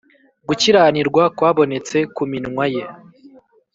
gukiranirwa kwabonetse ku minwa ye.